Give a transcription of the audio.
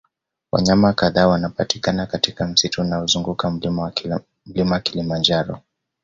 Wanyama kadhaa wanapatikana katika msitu unaozunguka mlima kilimanjaro